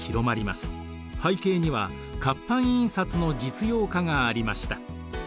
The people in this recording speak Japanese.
背景には活版印刷の実用化がありました。